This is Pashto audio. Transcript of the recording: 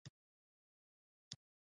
راځی د علم په زده کړه کي سیالي سره وکړو.